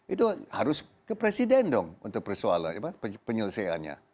itu harus ke presiden dong untuk persoalan penyelesaiannya